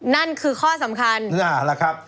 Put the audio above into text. นั่นคือข้อสำคัญง่างน่ะครับ